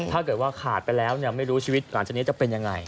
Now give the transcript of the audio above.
ถ้าเกิดว่าขาดไปแล้วไม่รู้ชีวิตหลังจากนี้จะเป็นยังไง